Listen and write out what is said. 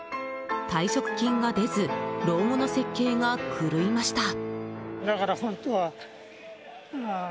退職金が出ず老後の設計が狂いました。